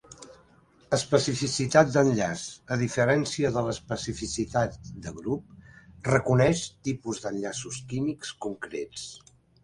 Especificitat d'enllaç, a diferència de l'especificitat de grup, reconeix tipus d'enllaços químics concrets.